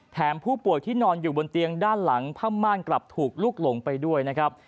ผู้ป่วยที่นอนอยู่บนเตียงด้านหลังผ้าม่านกลับถูกลุกหลงไปด้วยนะครับ